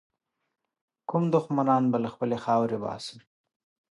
کوم دښمنان به له خپلي خاورې باسم.